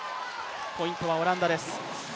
ポイントはオランダです。